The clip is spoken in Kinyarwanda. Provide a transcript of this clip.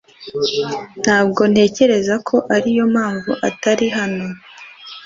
Ntabwo ntekereza ko ariyo mpamvu atari hano.